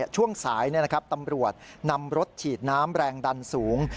ช่วงสายตำรวจนำรถฉีดน้ำแรงดันสูง